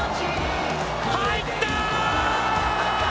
入ったー！